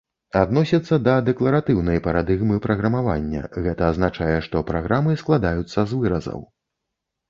Адносіцца да дэкларатыўнай парадыгмы праграмавання, гэта азначае, што праграмы складаюцца з выразаў.